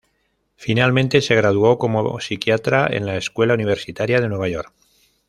Finalmente se graduó como psiquiatra en la escuela universitaria de Nueva York.